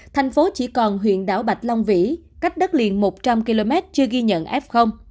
thành phố chỉ còn huyện đảo bạch long vĩ cách đất liền một trăm linh km chưa ghi nhận f